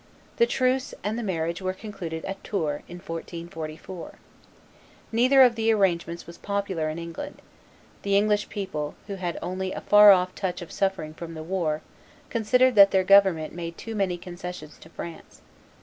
The truce and the marriage were concluded at Tours, in 1444. Neither of the arrangements was popular in England; the English people, who had only a far off touch of suffering from the war, considered that their government made too many concessions to France.